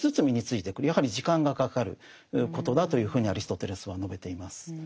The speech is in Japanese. やはり時間がかかることだというふうにアリストテレスは述べています。